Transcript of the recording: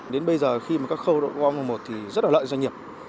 đến bây giờ khi các khâu đó qua ngân một thì rất là lợi doanh nghiệp